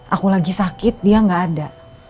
aku lagi sakit dia gak ada